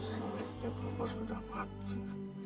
saatnya mama sudah mati